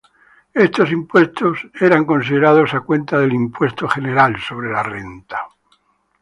Estos impuestos eran considerados a cuenta del impuesto general sobre la renta.